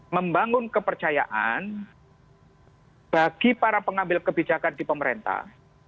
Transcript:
membangun kepercayaan bagi para pengambil kebijakan di pemerintah